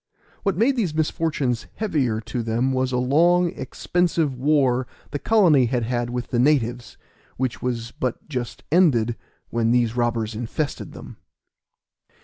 What made these misfortunes heavier to them was a long, expensive war the colony had had with the natives, which was but just ended when these robbers infested them.